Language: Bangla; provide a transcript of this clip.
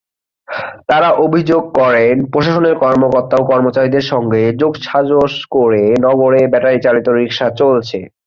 তাঁরা অভিযোগ করেন, প্রশাসনের কর্মকর্তা-কর্মচারীদের সঙ্গে যোগসাজশ করে নগরে ব্যাটারিচালিত রিকশা চলছে।